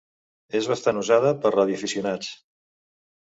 És bastant usada per radioaficionats.